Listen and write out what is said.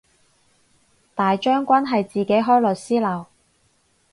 大將軍係自己開律師樓